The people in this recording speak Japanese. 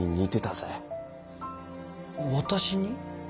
私に？